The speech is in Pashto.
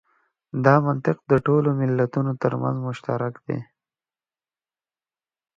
دا منطق د ټولو ملتونو تر منځ مشترک دی.